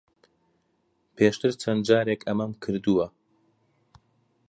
پێشتر چەند جارێک ئەمەم کردووە.